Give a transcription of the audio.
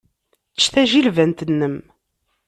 Ečč tajilbant-nnem.